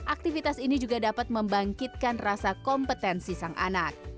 aktivitas ini juga dapat membangkitkan rasa kompetensi sang anak